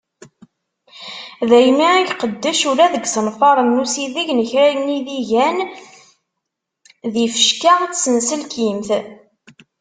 Daymi i iqeddec ula deg yiṣenfaṛen n usideg n kra n yidigan d yifecka n tsenselkimt.